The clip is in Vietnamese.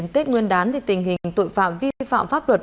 tết nguyên đán thì tình hình tội phạm vi phạm pháp luật